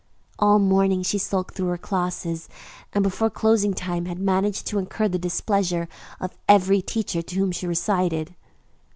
All morning she sulked through her classes, and before closing time had managed to incur the displeasure of every teacher to whom she recited.